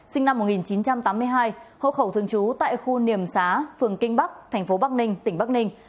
sinh năm một nghìn chín trăm tám mươi hai hộ khẩu thường trú tại khu niềm xá phường kinh bắc thành phố bắc ninh tỉnh bắc ninh